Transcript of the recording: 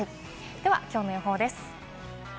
では、きょうの予報です。